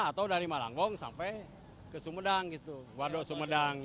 atau dari malangbong sampai ke sumedang gitu waduk sumedang